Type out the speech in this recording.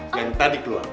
iya yang tadi keluar